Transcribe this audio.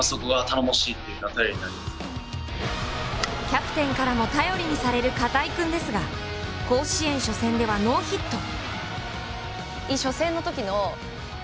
キャプテンからも頼りにされる片井君ですが、甲子園初戦ではノーヒット。